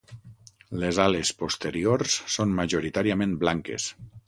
Les ales posteriors són majoritàriament blanques.